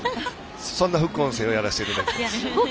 そんな副音声をやらせていただいています。